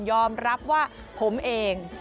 ยอมรับว่าผมเอง